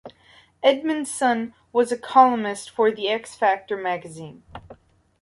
Edmondson was a columnist for "The X Factor" magazine.